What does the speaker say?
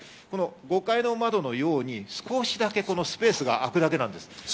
５階の窓のように少しだけスペースが開くだけなんです。